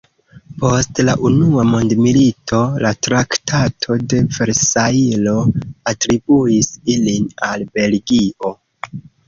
Post la Unua mondmilito la Traktato de Versajlo atribuis ilin al Belgio.